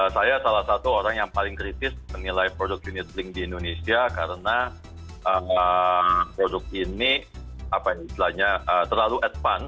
saya salah satu orang yang paling kritis menilai produk unit link di indonesia karena produk ini apa yang diizinkan terlalu advance